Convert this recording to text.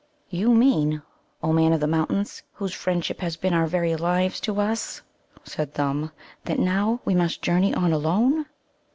"You mean, O Man of the Mountains, whose friendship has been our very lives to us," said Thumb, "that now we must journey on alone?"